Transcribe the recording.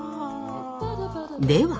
では